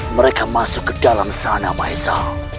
mereka masuk ke dalam sana maesa